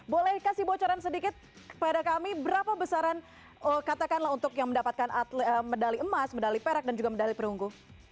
boleh kasih bocoran sedikit kepada kami berapa besaran katakanlah untuk yang mendapatkan medali emas medali perak dan juga medali perunggu